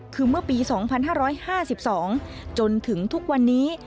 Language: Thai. คือเมื่อปีสองพันห้าร้อยห้าสิบสองจนถึงทุกวันนี้